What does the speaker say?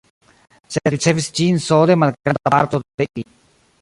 Sed ricevis ĝin sole malgranda parto de ili.